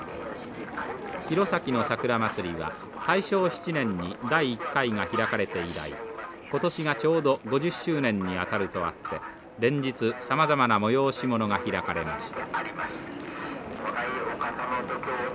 弘前のさくらまつりは大正７年に第１回が開かれて以来今年がちょうど５０周年にあたるとあって連日さまざまな催し物が開かれました。